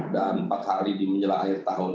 dan empat hari di menjelang akhir tahun